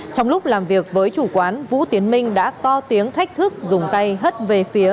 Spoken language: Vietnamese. trong lúc làm việc với chủ quán vũ tiến minh đã to tiếng thách thức dùng tay hất về phía